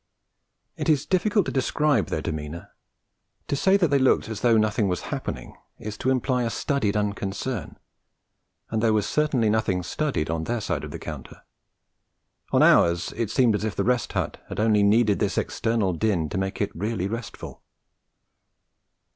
It is difficult to describe their demeanour. To say that they looked as though nothing was happening is to imply a studied unconcern; and there was certainly nothing studied on their side of the counter; on ours, it seemed as if the Rest Hut had only needed this external din to make it really restful.